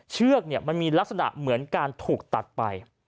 เชือกมันมีลักษณะเหมือนการถูกตัดไป